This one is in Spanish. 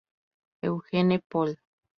Eugene Pool.